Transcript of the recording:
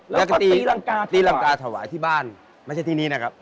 แล้วก็ตีรังกาตีรังกาถวายที่บ้านไม่ใช่ที่นี้นะครับ